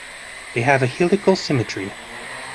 They have a helical symmetry.